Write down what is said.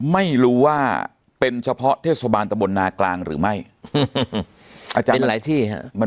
ไม่รู้ว่าเป็นเฉพาะเทศบาลตระบดนากลางหรือไม่หลายที่มัน